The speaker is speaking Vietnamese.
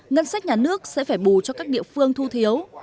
ngân sách nhà nước sẽ phải bù cho các địa phương thu thiếu